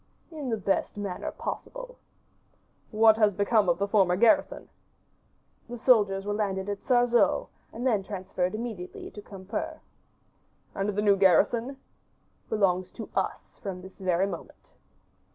"In the best manner possible." "What has become of the former garrison?" "The soldiers were landed at Sarzeau, and then transferred immediately to Quimper." "And the new garrison?" "Belongs to us from this very moment."